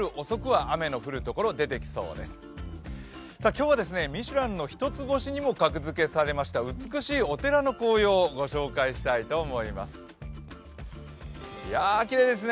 今日はミシュランの一つ星にもなりました、美しいお寺の紅葉をご紹介したいと思います。